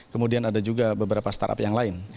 kemudian ada juga beberapa startup yang lain